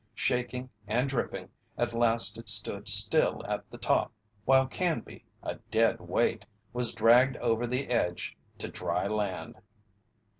Shaking and dripping, at last it stood still at the top, while Canby, a dead weight, was dragged over the edge to dry land.